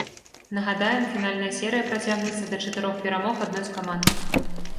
Нагадаем, фінальная серыя працягнецца да чатырох перамог адной з каманд.